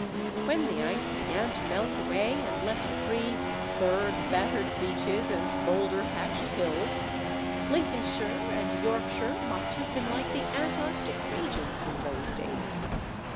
When the ice began to melt away and left free "berg battered beaches" and "boulder hatched hills," Lincolnshire and Yorkshire must have been like the Antarctic regions in those days.